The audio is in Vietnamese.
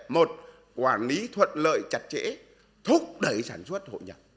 một quản lý thuận lợi chặt chẽ thúc đẩy sản xuất hội nhập